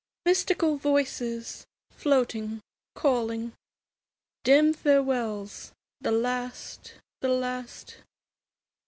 Mystical voices, floating, calling; Dim farewells the last, the last?